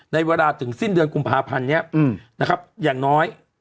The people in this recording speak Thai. ในเวลาถึงสิ้นเดือนกุมภาพันธ์นี้นะครับอย่างน้อย